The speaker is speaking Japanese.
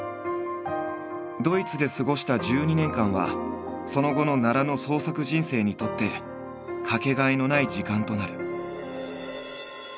ドイツで過ごした１２年間はその後の奈良の創作人生にとってかけがえのない時間となる。